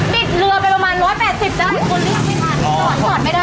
บิดเรือไปประมาณ๑๘๐ได้